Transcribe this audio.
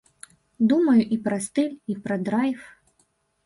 Думаю і пра стыль, і пра драйв.